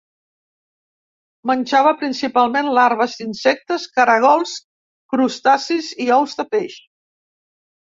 Menjava principalment larves d'insectes, caragols, crustacis i ous de peix.